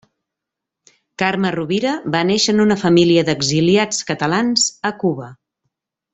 Carme Rovira va néixer en una família d'exiliats catalans a Cuba.